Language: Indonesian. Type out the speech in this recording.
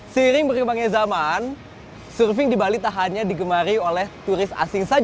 seiring berkembangnya zaman surfing di bali tak hanya digemari oleh turis asing saja